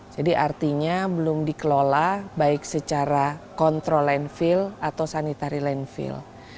artinya belum dikelola baik secara kontrol landfill atau sanitary landfill